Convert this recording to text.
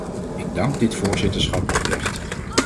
Ik dank dit voorzitterschap oprecht.